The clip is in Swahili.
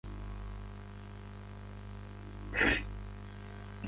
Anajulikana kwa kufanya jamhuri ya Uingereza kuwa na umoja na soko la pamoja.